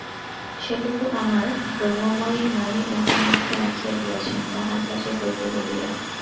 সেটুকু আমার ব্রহ্মময়ী মা-ই উহার মধ্যে রাখিয়া দিয়াছেন, তাঁহার কাজ হইবে বলিয়া।